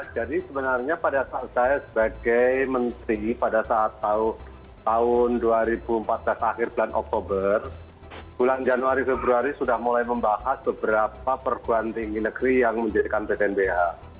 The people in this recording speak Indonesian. jadi sebenarnya pada saat saya sebagai menteri pada saat tahun dua ribu empat belas akhir bulan oktober bulan januari februari sudah mulai membahas beberapa perguruan tinggi negeri yang menjadikan ptnbh